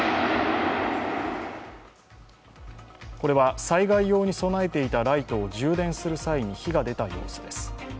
これは災害用に備えていたライトを充電する際に火が出た様子です。